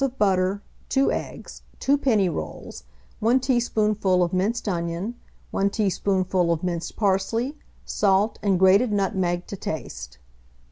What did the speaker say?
of butter, 2 eggs, 2 penny rolls, 1 teaspoonful of minced onion, 1 teaspoonful of minced parsley, salt and grated nutmeg to taste.